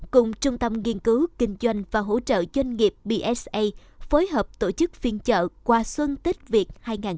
cùng trung tâm nghiên cứu kinh doanh và hỗ trợ doanh nghiệp phối hợp tổ chức phiên chợ qua xuân tết việt hai nghìn một mươi bảy